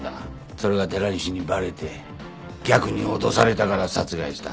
それが寺西にバレて逆に脅されたから殺害した。